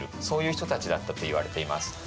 そういう人たちだったといわれています。